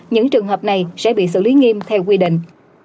những trường hợp này sẽ bị xử lý nghiêm theo quy định